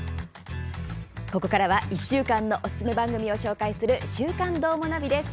ここからは１週間のおすすめ番組を紹介する「週刊どーもナビ」です。